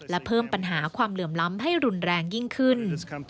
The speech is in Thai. และเพิ่มปัญหาความเหลื่อมล้ำให้รุนแรงยิ่งขึ้น